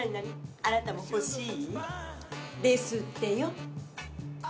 あなたも欲しい？ですってよ。